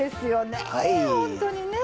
本当にね。